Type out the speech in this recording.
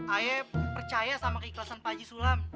ayah percaya sama keikhlasan pak haji sulam